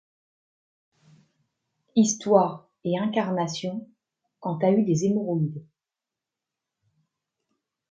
Histoires et Incarnation Quand t'as eu des hémorroïdes.